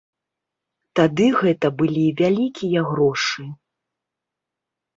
Тады гэта былі вялікія грошы.